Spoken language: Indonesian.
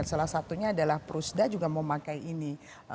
salah satunya adalah prusda juga mau pakai ini